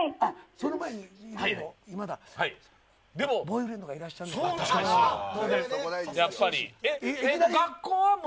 その前にボーイフレンドいらっしゃるかも。